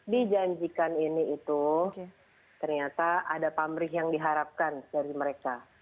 dijanjikan ini itu ternyata ada pamrih yang diharapkan dari mereka